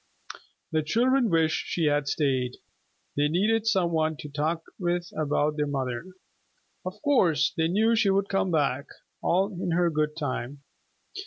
The children wished she had stayed. They needed some one to talk with about their mother. Of course they knew she would come back, all in her good time.